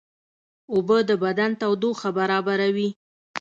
اوبه د بدن تودوخه برابروي